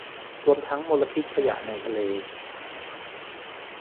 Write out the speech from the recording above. รวมทั้งมลพิษขยะในทะเล